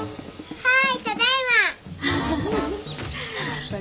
はい。